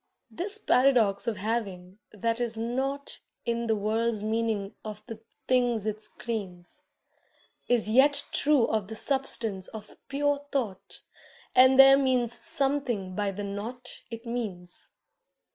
This paradox of having, that is nought In the world's meaning of the things it screens, Is yet true of the substance of pure thought And there means something by the nought it means.